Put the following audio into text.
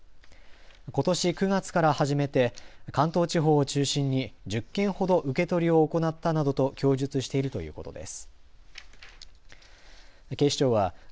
ことし９月から始めて関東地方を中心に１０件ほど受け取りを行ったなどと供述しているということです。